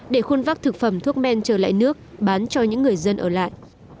để khuôn vắc thực phẩm thuốc men trở lại nước bán cho những người dân ở lại